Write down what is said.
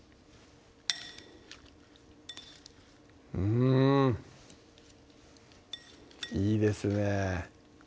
うんいいですね